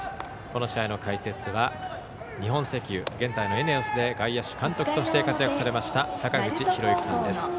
この試合の解説は日本石油現在のエネオスで外野手監督として活躍されました坂口裕之さんです。